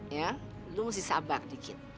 ya lu mesti sabah dikit